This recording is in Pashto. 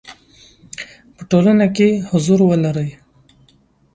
په ټولنه کې حضور ولري.